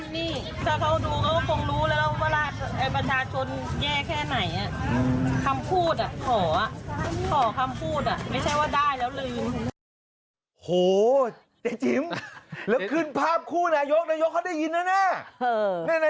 นายกก็อยู่ข้างนายกเขาได้ยินแล้วแกว่าไงนะ